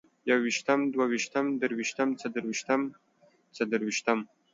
يوويشتم، دوه ويشتم، درويشتم، څلرويشتم، څلورويشتم